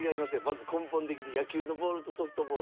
まず根本的に野球のボールとソフトボール。